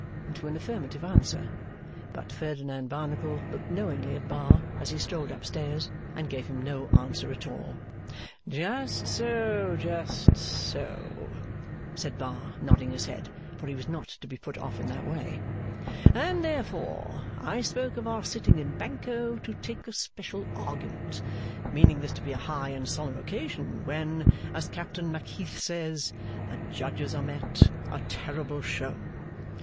into an affirmative answer, But Ferdinand Barnacle looked knowingly at Bar as he strolled up stairs, and gave him no answer at all. 'Just so, just so,' said Bar, nodding his head, for he was not to be put off in that way, 'and therefore I spoke of our sitting in Banco to take a special argument meaning this to be a high and solemn occasion, when, as Captain Macheath says, "the judges are met: a terrible show!"